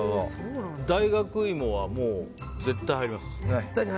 大学いもは、もう絶対入ります。